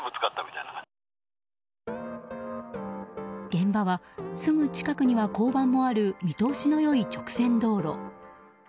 現場はすぐ近くには交番もある見通しの良い直線道路。